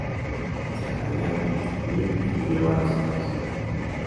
Tras la guerra, Lim emigró a los Estados Unidos.